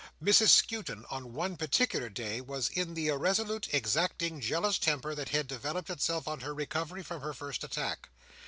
Mrs Skewton, on one particular day, was in the irresolute, exacting, jealous temper that had developed itself on her recovery from her first attack.